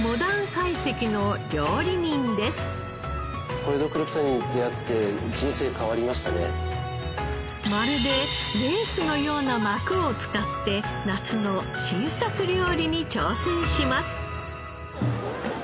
小江戸黒豚に出会ってまるでレースのような膜を使って夏の新作料理に挑戦します。